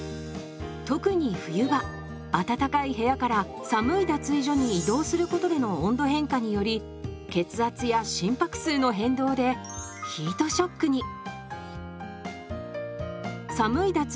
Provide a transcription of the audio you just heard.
特に冬場暖かい部屋から寒い脱衣所に移動することでの温度変化により血圧や心拍数の変動でヒートショックに。